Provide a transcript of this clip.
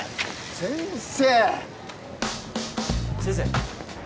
先生。